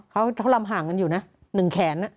เขาลำห่างกันอยู่นะ๑แขน